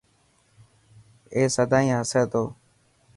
اي سداين هسي تو.